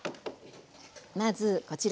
まずこちら。